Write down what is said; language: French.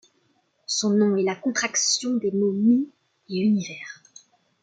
Son nom est la contraction des mots Mii et Univers.